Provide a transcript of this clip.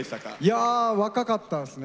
いや若かったですね